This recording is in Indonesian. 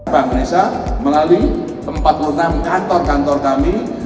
bank desa melalui empat puluh enam kantor kantor kami